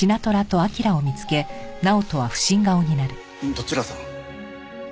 どちらさん？